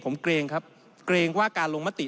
ผมเกรงครับเกรงว่าการลงมติ